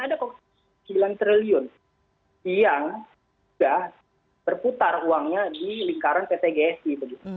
ada kok sembilan triliun yang sudah berputar uangnya di lingkaran pt gsi